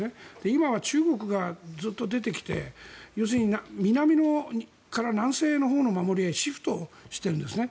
今は中国がずっと出てきて要するに南から南西のほうの守りにシフトしてるんですね。